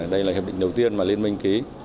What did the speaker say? đây là hiệp định đầu tiên mà liên minh ký